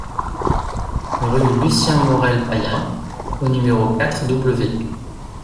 Rue Lucien Morel-Payen au numéro quatre W